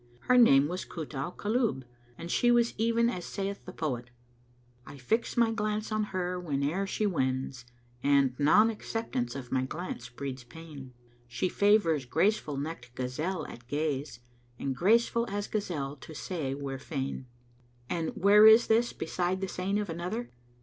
Her name was Kút al Kulúb [FN#216] and she was even as saith the poet, "I fix my glance on her, whene'er she wends; * And non acceptance of my glance breeds pain: She favours graceful necked gazelle at gaze; * And 'Graceful as gazelle' to say we're fain." And where is this [FN#217] beside the saying of another?